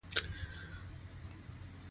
غوښې د افغانستان د امنیت په اړه هم اغېز لري.